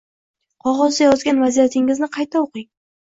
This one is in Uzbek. Qog’ozda yozgan vaziyatingizni qayta o’qing